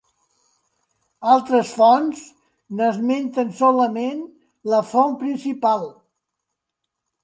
Altres fonts n'esmenten solament la font principal.